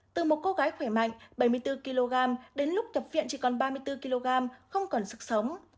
từ một cô gái khỏe mạnh bảy mươi bốn kg đến lúc cập viện chỉ còn ba mươi bốn kg không còn sức sống